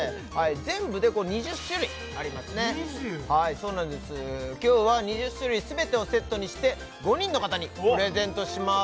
全部でこれ２０種類ありますね・２０はいそうなんです今日は２０種類全てをセットにして５人の方にプレゼントします